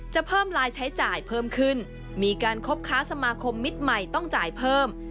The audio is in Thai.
จะเพิ่มลายใช้จ่ายเพิ่มขึ้นมีการคบค้าสมาคมมิตรใหม่ต้องจ่ายเพิ่ม